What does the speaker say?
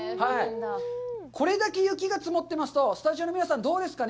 これだけ雪が積もってますと、スタジオの皆さん、どうですかね。